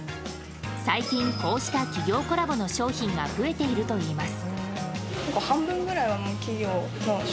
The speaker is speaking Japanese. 最近、こうした企業コラボの商品が増えているといいます。